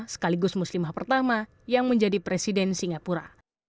sekaligus muslimah pertama yang menjadi presiden singapura